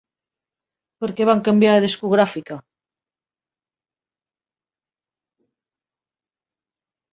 Per què van canviar de discogràfica?